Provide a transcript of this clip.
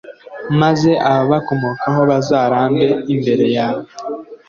maze ababakomokaho bazarambe imbere yawe